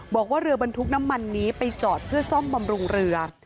บอกว่าเรือบรรทุกน้ำมันนี้ไปจอดเพื่อซ่อมบำรุงเรือ